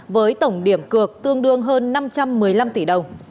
với tổng điểm cược tương đương hơn năm trăm một mươi năm tỷ đồng